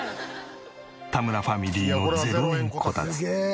田村ファミリーの０円こたつ。